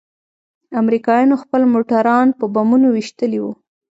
امريکايانو خپل موټران په بمونو ويشتلي وو.